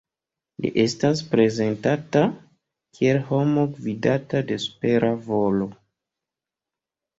Li estas prezentata kiel homo gvidata de supera volo.